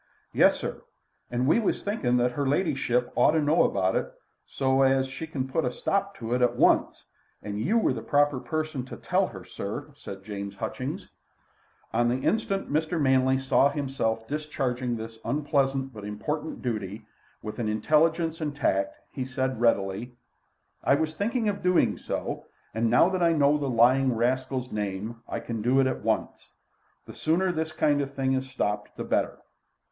"Yes, sir. And we was thinking that her ladyship ought to know about it so as she can put a stop to it at once, and you were the proper person to tell her, sir," said James Hutchings. On the instant Mr. Manley saw himself discharging this unpleasant but important duty with intelligence and tact, and he said readily: "I was thinking of doing so, and now that I know the lying rascal's name I can do it at once. The sooner this kind of thing is stopped the better."